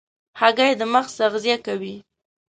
هګۍ د مغز تغذیه کوي.